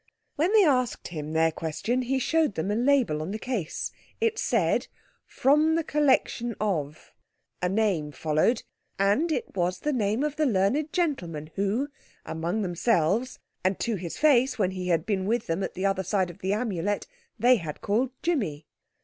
When they asked him their question he showed them a label on the case. It said, "From the collection of—." A name followed, and it was the name of the learned gentleman who, among themselves, and to his face when he had been with them at the other side of the Amulet, they had called Jimmy.